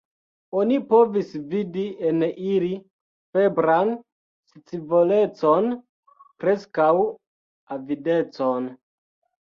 Oni povis vidi en ili febran scivolecon, preskaŭ avidecon.